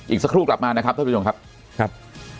อีกสักครู่กลับมานะครับท่านผู้ชมครับครับ